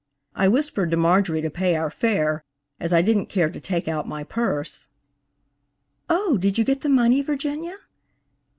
I whispered to Marjorie to pay our fare, as I didn't care to take out my purse. "Oh, did you get the money, Virginia?"